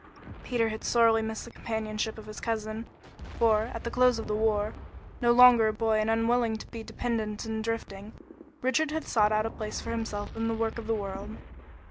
Peter had sorely missed the companionship of his cousin, for, at the close of the war, no longer a boy and unwilling to be dependent and drifting, Richard had sought out a place for himself in the work of the world.